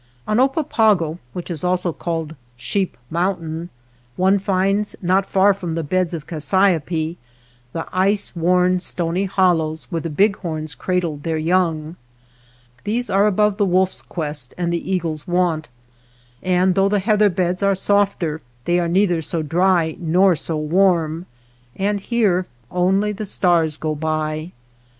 On Oppapago, which is also called Sheep Mountain, one finds not far from the beds of cassiope the ice worn, stony hollows where the bighorns cradle their young. These are above the wolf's quest and the eagle's wont, and though the heather beds are softer, they are neither so dry nor so warm, and here only the stars go by.